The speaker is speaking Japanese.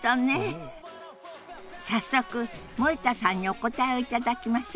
早速森田さんにお答えを頂きましょ。